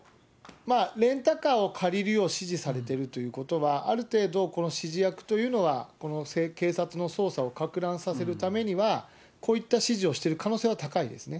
レンタカーを借りるよう指示されているということは、ある程度、この指示役というのは、この警察の捜査をかく乱させるためには、こういった指示をしている可能性は高いですね。